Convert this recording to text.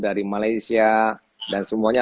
dari malaysia dan semuanya